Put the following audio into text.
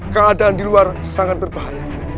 keadaan di luar sangat berbahaya